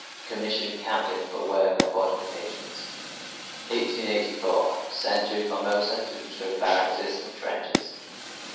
Commissioned captain for work on fortifications. 1884. Sent to Formosa to construct barracks and trenches.